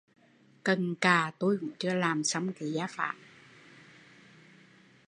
Cần cà tui cũng chưa làm xong gia phả